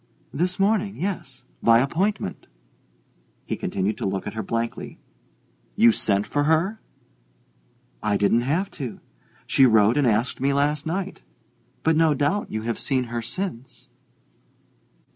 "This morning, yes by appointment." He continued to look at her blankly. "You sent for her?" "I didn't have to she wrote and asked me last night. But no doubt you have seen her since."